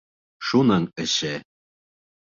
Шуның эше.